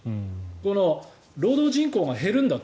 この労働人口が減るんだと。